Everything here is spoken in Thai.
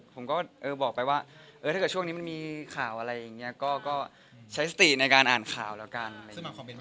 ผมก็บอกไปว่าถ้าเกิดช่วงนี้ไม่มีข่าวอะไรอย่างนี้